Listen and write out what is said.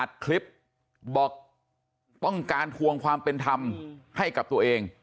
คลิปบอกต้องการทวงความเป็นธรรมให้กับตัวเอง